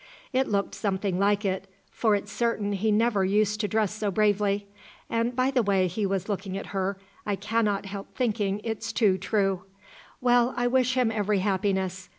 It looked something like it, for it's certain he never used to dress so bravely; and, by the way he was looking at her, I cannot help thinking it's too true. Well, I wish him every happiness.